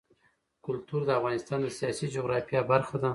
کلتور د افغانستان د سیاسي جغرافیه برخه ده.